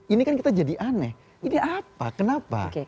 ini kan kita jadi aneh ini apa kenapa